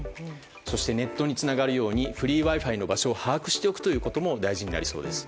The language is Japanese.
ネットにつながるようにフリーＷｉ‐Ｆｉの場所を把握することも大事になりそうです。